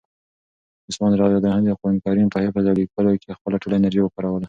عثمان رض د قرآن کریم په حفظ او لیکلو کې خپله ټوله انرژي وکاروله.